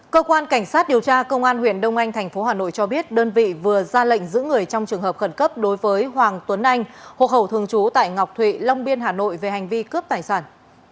cơ quan cảnh sát điều tra công an huyện đông anh tp hà nội cho biết đơn vị vừa ra lệnh giữ người trong trường hợp khẩn cấp đối với hoàng tuấn anh hộ khẩu thường trú tại ngọc thụy long biên hà nội về hành vi cướp tài sản